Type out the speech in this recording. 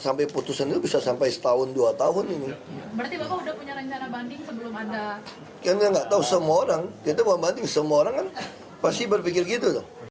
masih berpikir begitu tuh